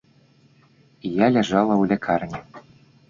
І я ляжала ў лякарні.